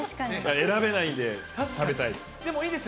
選べないんで、食べたいです。